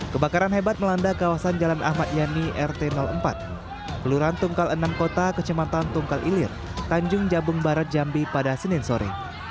kebakaran hebat melanda kawasan jalan ahmad yani rt empat kelurahan tungkal enam kota kecematan tungkal ilir tanjung jabung barat jambi pada senin sore